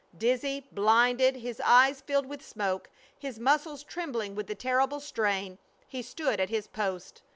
Dizzy, blinded, his eyes filled with smoke, his muscles trembling with the terrible strain, he stood at his post.